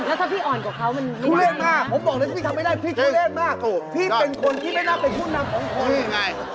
แล้วถ้าพี่อ่อนกว่าเขามันแทซิบอีก